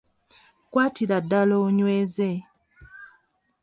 Kwatira ddala onyweze